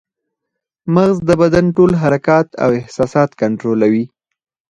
مغز د بدن ټول حرکات او احساسات کنټرولوي